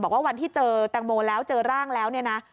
วันที่เจอแตงโมแล้วเจอร่างแล้วเนี่ยนะ